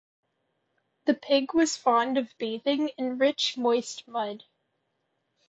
The pig was fond of bathing in rich, moist mud.